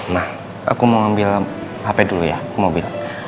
nah aku mau ambil hp dulu ya mobil